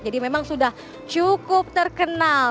jadi memang sudah cukup terkenal